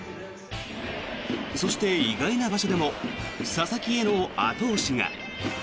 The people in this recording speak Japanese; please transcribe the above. そして、意外な場所でも佐々木への後押しが。